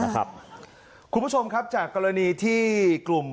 คุณผู้ชมครับจากกรณีที่กลุ่ม